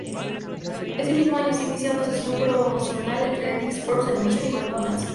Ese mismo año se inicia una asociación promocional entre Dreamworks Animation y McDonald's.